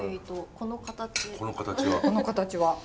この形は。